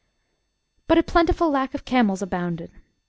But a plentiful lack of camels abounded.